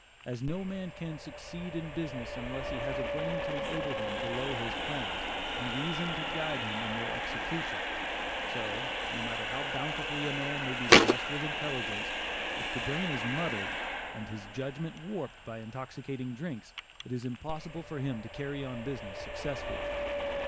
As no man can succeed in business unless he has a brain to enable him to lay his plans, and reason to guide him in their execution, so, no matter how bountifully a man may be blessed with intelligence, if the brain is muddled, and his judgment warped by intoxicating drinks, it is impossible for him to carry on business successfully.